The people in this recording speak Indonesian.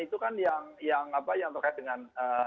itu kan yang terkait dengan